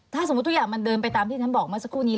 ถ้าสมมุติทุกอย่างมันเดินไปตามที่ฉันบอกเมื่อสักครู่นี้